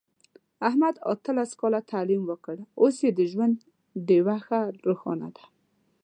احمد اتلس کاله تعلیم وکړ، اوس یې د ژوند ډېوه ښه روښانه ده.